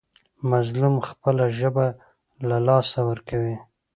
مظلوم خپله ژبه له لاسه ورکوي.